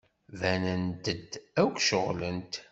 Banent-d akk ceɣlent.